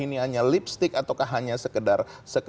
ini hanya lipstick ataukah hanya sekedar